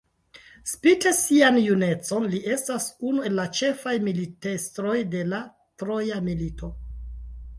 Spite sian junecon li estas unu el la ĉefaj militestroj de la Troja Milito.